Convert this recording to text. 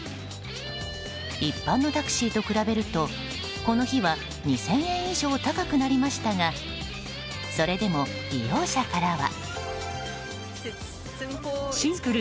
一般のタクシーと比べるとこの日は、２０００円以上高くなりましたがそれでも利用者からは。